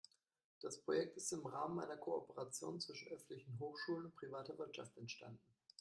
Das Projekt ist im Rahmen einer Kooperation zwischen öffentlichen Hochschulen und privater Wirtschaft entstanden.